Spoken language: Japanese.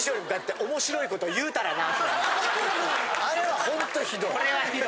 あれはホントひどい！